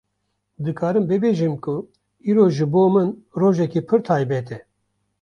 Dikarim bibêjim ku îro ji bo min rojeke pir taybet e